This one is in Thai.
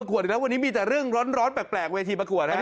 ขวดอีกนะวันนี้มีแต่เรื่องร้อนแปลกเวทีประกวดฮะ